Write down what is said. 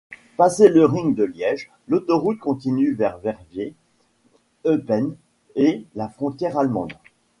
Passé le ring de Liège, l'autoroute continue vers Verviers, Eupen et la frontière allemande.